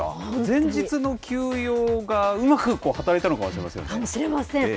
前日の休養がうまく働いたのかもしれませんね。